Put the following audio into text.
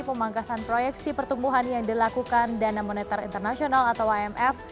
pemangkasan proyeksi pertumbuhan yang dilakukan dana moneter internasional atau imf